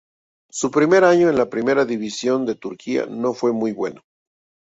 Su primer año en la Primera División de Turquía no fue muy bueno.